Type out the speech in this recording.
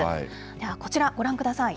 ではこちら、ご覧ください。